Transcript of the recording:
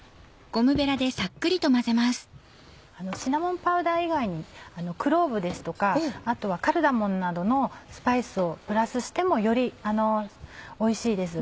シナモンパウダー以外にクローブですとかあとはカルダモンなどのスパイスをプラスしてもよりおいしいです